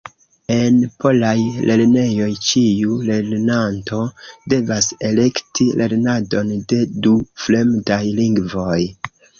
En polaj lernejoj ĉiu lernanto devas elekti lernadon de du fremdaj lingvoj.